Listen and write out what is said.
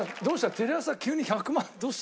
テレ朝急に１００万どうして？